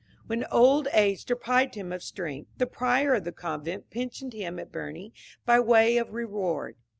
When old age deprived him of strength, the prior of the convent pensioned him at Berne by way of reward.